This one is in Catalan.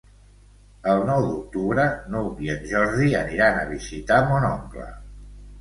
El nou d'octubre n'Hug i en Jordi aniran a visitar mon oncle.